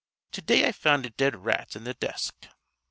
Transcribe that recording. To day I found a dead rat in the desk.